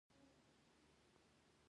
ستا کور کوم ځای دی؟